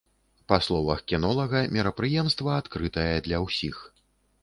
Па словах кінолага, мерапрыемства адкрытае для ўсіх.